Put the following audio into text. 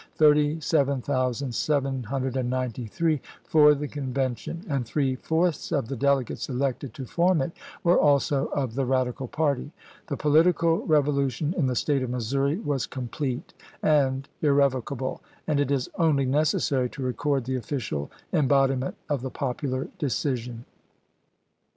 ties in the State ; and finally, there was a majority vote of 37,793 for the Convention, and three fourths of the delegates elected to form it were also of the Eadical party. The political revolution in the State of Missouri was complete and irrevocable, and it is only necessary to record the official embod iment of the popular decision.